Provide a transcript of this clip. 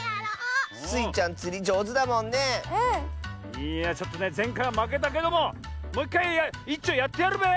いやちょっとねぜんかいはまけたけどももういっかいいっちょやってやるべ！